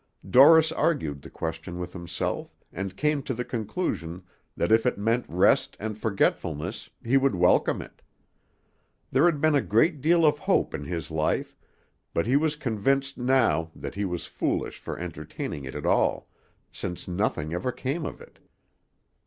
Dorris argued the question with himself, and came to the conclusion that if it meant rest and forgetfulness he would welcome it. There had been a great deal of hope in his life, but he was convinced now that he was foolish for entertaining it at all, since nothing ever came of it.